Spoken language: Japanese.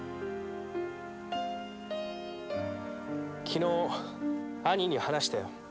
昨日兄に話したよ。